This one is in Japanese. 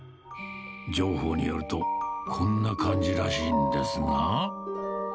情報によると、こんな感じらしいんですが。